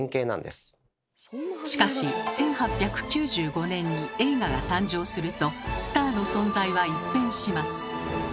しかし１８９５年に映画が誕生するとスターの存在は一変します。